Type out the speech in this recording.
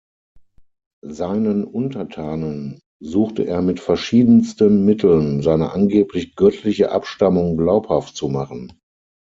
Seinen Untertanen suchte er mit verschiedensten Mitteln seine angeblich göttliche Abstammung glaubhaft zu machen.